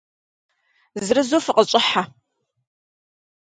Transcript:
Зырызу фыкъыщӏыхьэ.